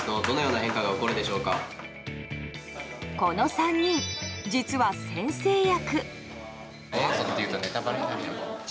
この３人、実は先生役。